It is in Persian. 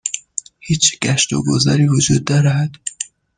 هیچ گشت و گذاری وجود دارد؟